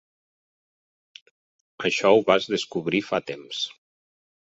Això ho vas descobrir fa temps.